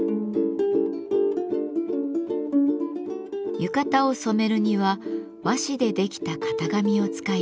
浴衣を染めるには和紙でできた型紙を使います。